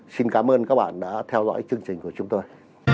xin cảm ơn các bạn đã theo dõi chương trình của chúng tôi